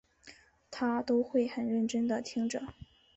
她都会很认真地听着